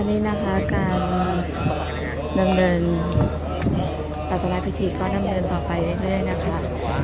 วันนี้นะคะการดำเนินศาสนาพิธีก็ดำเนินต่อไปเรื่อยนะคะ